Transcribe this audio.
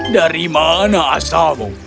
dari mana asamu